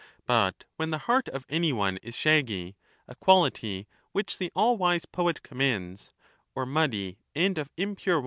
But when the heart of any one is shaggy — a quality sockates, which the all wise poet commends, or muddy and of impure Theaetetus.